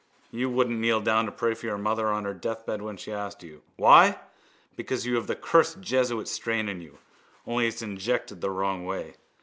You wouldn't kneel down to pray for your mother on her deathbed when she asked you. Why? Because you have the cursed jesuit strain in you, only it's injected the wrong way.